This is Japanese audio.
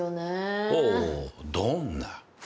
ほうどんな？